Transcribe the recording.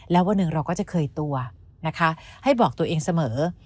แล้ววันหนึ่งเราก็จะเคยตัวนะคะให้บอกตัวเองเสมอ